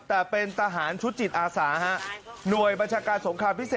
แต่เป็นทหารชุดจิตอาสาหน่วยบัญชาการสงครามพิเศษ